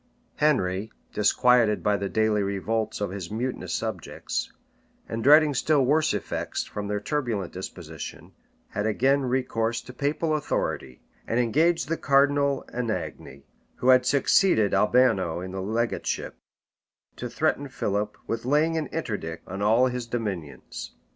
Henry, disquieted by the daily revolts of his mutinous subjects, and dreading still worse effects from their turbulent disposition, had again recourse to papal authority; and engaged the cardinal Anagni, who had succeeded Albano in the legateship, to threaten Philip with laying an interdict on all his dominions.